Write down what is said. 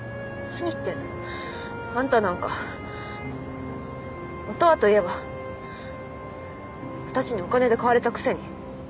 あんたなんか本はといえば私にお金で買われたくせに。